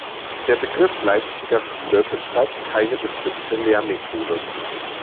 Der Begriff „Leipziger Schule“ beschreibt keine bestimmte Lehrmethode.